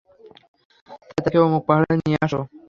তাই তাঁকে অমুক পাহাড়ে নিয়ে আস।